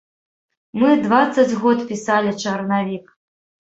Мы дваццаць год пісалі чарнавік!